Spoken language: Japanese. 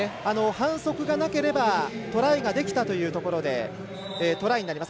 反則がなければトライができたというところでトライになります。